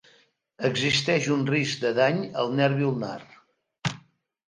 Existeix un risc de dany al nervi ulnar.